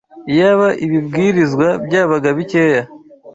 Iyaba ibibwirizwa byabaga bikeya